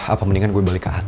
apa mendingan gua balik ke atas